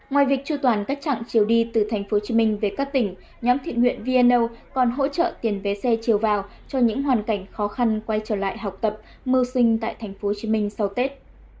ngoài việc tru toàn các chặng chiều đi từ tp hcm về các tỉnh nhóm thiện nguyện vn âu còn hỗ trợ tiền vé xe chiều vào cho những hoàn cảnh khó khăn quay trở lại học tập mưu sinh tại tp hcm sau tết